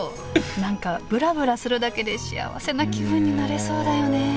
何かぶらぶらするだけでしあわせな気分になれそうだよね。